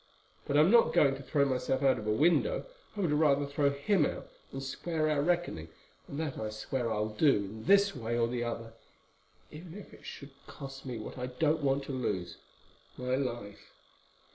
But I am not going to throw myself out of a window; I would rather throw him out and square our reckoning, and that I swear I'll do, in this way or the other, even if it should cost me what I don't want to lose—my life."